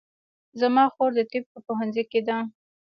زما خور د طب په پوهنځي کې ده